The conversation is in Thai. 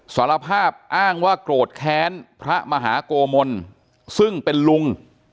สารภาพอ้างว่าโกรธแค้นพระมหาโกมลซึ่งเป็นลุง